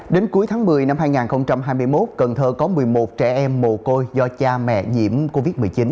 đến cuối tháng một mươi năm hai nghìn hai mươi một cần thơ có một mươi một trẻ em mồ côi do cha mẹ nhiễm covid một mươi chín